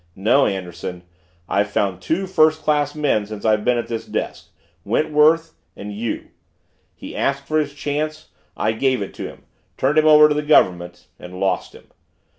No, Anderson, I've found two first class men since I've been at this desk Wentworth and you. He asked for his chance; I gave it to him turned him over to the Government and lost him.